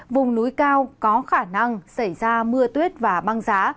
vùng núi cao có khả năng xảy ra mưa tuyết và băng giá